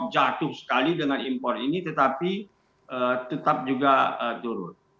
jatuh sekali dengan impor ini tetapi tetap juga turun